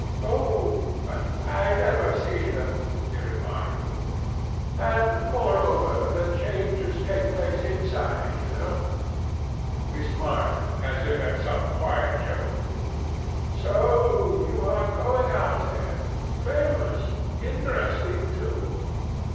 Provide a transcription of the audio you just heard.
'Oh, I never see them,' he remarked; 'and, moreover, the changes take place inside, you know.' He smiled, as if at some quiet joke. 'So you are going out there. Famous. Interesting too.'